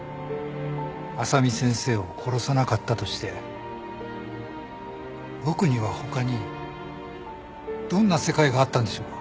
麻美先生を殺さなかったとして僕には他にどんな世界があったんでしょうか？